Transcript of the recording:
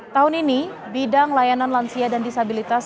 tahun ini bidang layanan lansia dan disabilitas